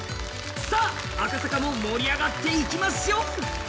さあ、赤坂も盛り上がっていきましょう！